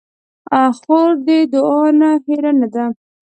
خور د دعا نه هېره نه ده.